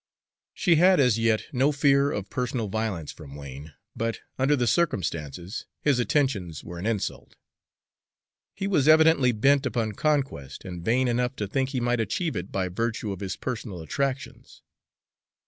She had as yet no fear of personal violence from Wain; but, under the circumstances, his attentions were an insult. He was evidently bent upon conquest, and vain enough to think he might achieve it by virtue of his personal attractions.